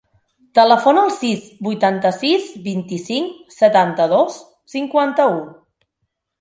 Telefona al sis, vuitanta-sis, vint-i-cinc, setanta-dos, cinquanta-u.